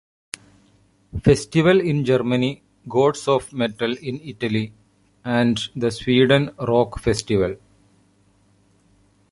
Festival in Germany, Gods Of Metal in Italy, and the Sweden Rock Festival.